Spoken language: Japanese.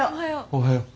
おはよう。